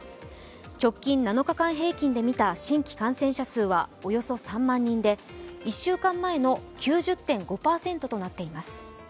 直近７日間平均で見た新規感染者数は、およそ３万人で１週間前の９０．５％となっています。